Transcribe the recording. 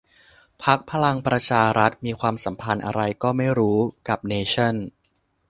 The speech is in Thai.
พรรคพลังประชารัฐ มีความสัมพันธ์อะไรก็ไม่รู้กับเนชั่น